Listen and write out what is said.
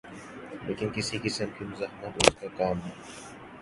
لیکن کسی قسم کی مزاحمت اس کا کام نہیں۔